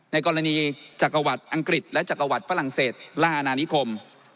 ในกรณีจักรวรรภ์อังกฤษและจักรวรรภ์ฟรั่งเศสระหนะนิขม